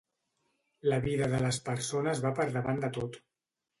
La vida de les persones va per davant de tot.